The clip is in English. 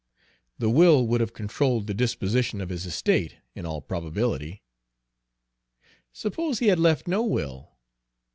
"The will would have controlled the disposition of his estate, in all probability." "Suppose he had left no will?"